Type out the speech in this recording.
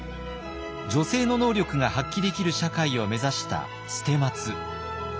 女性の能力が発揮できる社会を目指した捨松。